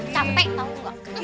capek tau nggak